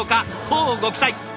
乞うご期待！